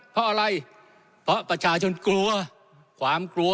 เพราะอะไรเพราะประชาชนกลัวความกลัว